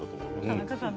田中さん